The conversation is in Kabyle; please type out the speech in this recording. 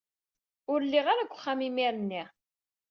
Ur lliɣ ara deg uxxam imir-nni.